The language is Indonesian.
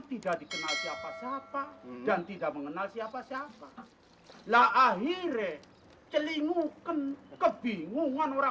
tidak dikenal siapa siapa dan tidak mengenal siapa siapa lah akhirnya celingukan kebingungan orang